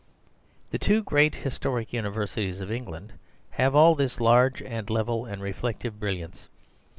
The two great historic universities of England have all this large and level and reflective brilliance.